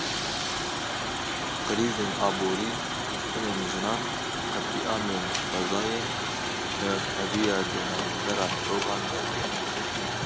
Qrîzên aborî, kuştinên jinan, qetlîamên xwezayê, newekheviya di navbera mirovan de heye.